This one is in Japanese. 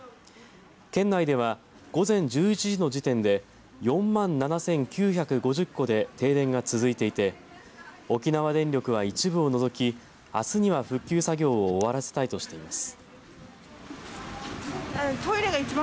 県内では午前１１時の時点で４万７９５０戸で停電が続いていて沖縄電力は一部を除きあすには復旧作業を終わらせたいとしています。